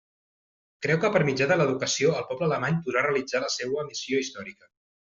Creu que per mitjà de l'educació el poble alemany podrà realitzar la seua missió històrica.